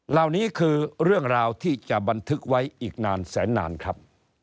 เหล่านี้คือเรื่องราวที่จะบันทึกไว้อีกนานแสนนานครับ